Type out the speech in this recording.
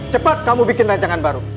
cepat kamu bikin rancangan baru